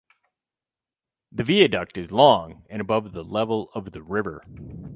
The viaduct is long and above the level of the river.